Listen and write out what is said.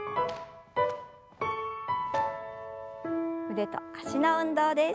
腕と脚の運動です。